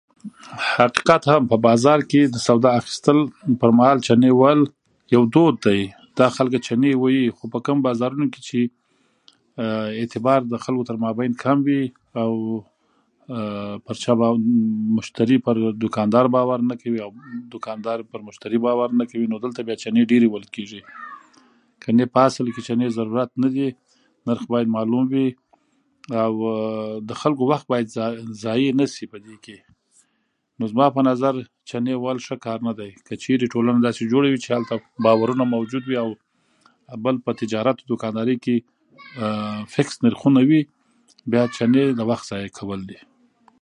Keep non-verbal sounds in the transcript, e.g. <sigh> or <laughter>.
حقیقت هم په بازار کې د سودا اخیستل، په مال چنې وهل یو دود دی. دا خلک چنې وهي، خو په کومو بازارونو کې چې اعتبار د خلکو تر منځ کم وي، او <hesitation> پر چا مشتري، پر چا دوکاندار باور نه کوي، او دوکاندار په مشتري باور نه کوي، نو دلته نو چنې ډېرې وهل کېږي. ګنې نو په اصل کې چنې ضرورت نه دي. نرخ باید معلوم وي، او <hesitation> د خلکو وخت باید ضایع ضایع نه شي. بلکې نو زما په نظر چنې وهل ښه کار نه دی، که چېرې ټولنه داسې جوړه وي چې هلته باورونه موجود وي، او بل په تجارت، دوکاندارۍ کې فیکس نرخونه وي، بیا د چنې د وخت ضایع کول دي.